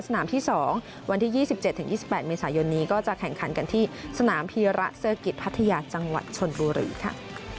ที่๒วันที่๒๗๒๘เมษายนนี้ก็จะแข่งขันกันที่สนามพีระเซอร์กิจพัทยาจังหวัดชนบุรีค่ะ